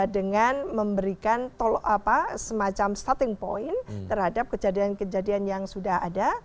dengan memberikan semacam starting point terhadap kejadian kejadian yang sudah ada